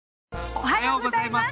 おはようございます。